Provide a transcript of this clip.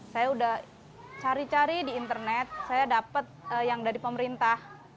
saya udah cari cari di internet saya dapat yang dari pemerintah